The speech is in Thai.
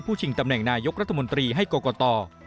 ชิงตำแหน่งนายกรัฐมนตรีให้กรกต